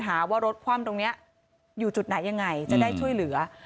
หาว่ารถคว่ำตรงนี้อยู่จุดไหนยังไงจะได้ช่วยเหลือ